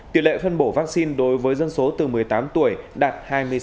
tỷ lệ phân bổ vaccine đối với dân số từ một mươi tám tuổi đạt hai mươi sáu